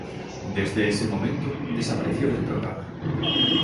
Desde ese momento, desapareció del programa.